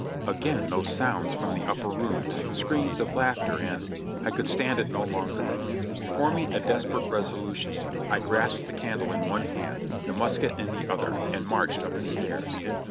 Again those sounds from the upper rooms, screams of laughter and — I could stand it no longer. Forming a desperate resolution, I grasped the candle in one hand, the musket in the other, and marched up the stairs.